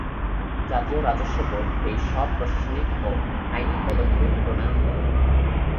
জাতীয় রাজস্ব বোর্ড এই সব প্রশাসনিক ও আইনি পদক্ষেপ প্রণয়ন করে।